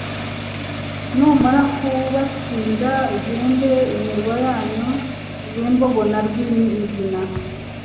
Numara kubatsinda Ugende imirwa yanyu, Rwimbogo na Rwimigina